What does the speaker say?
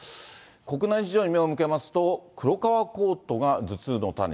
国内事情に目を向けますと、黒革コートが頭痛の種に。